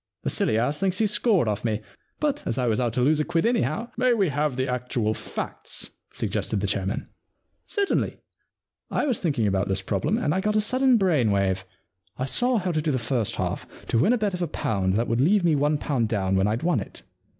The silly ass thinks he's scored off me, but as I was out to lose a quid anyhow '* May we have the actual facts ?* sug gested the chairman. * Certainly. I was thinking about this problem and I got a sudden brain wave. I saw how to do the first half — to win a bet of a pound that would leave me one pound down when I'd won it.